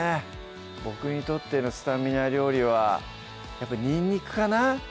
僕にとってのスタミナ料理はやっぱにんにくかな？